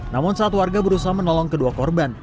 namun saat warga berusaha menolong kedua korban